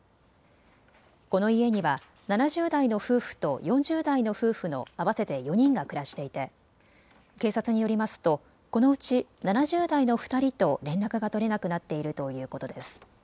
この家には７０代の夫婦と４０代の夫婦の合わせて４人が暮らしていて警察によりますとこのうち７０代の２人と連絡が取れなくなっているということです。